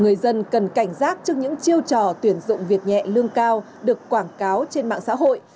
người dân cần cảnh giác trước những chiêu trò tuyển dụng việc nhẹ lương cao được quảng cáo trên mạng xã hội